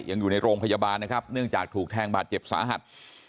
ยังอยู่ในโรงพยาบาลนะครับเนื่องจากถูกแทงบาดเจ็บสาหัส